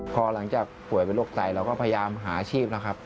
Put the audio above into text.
พอหลังจากป่วยเป็นโรคไตเราก็พยายามหาอาชีพแล้วครับ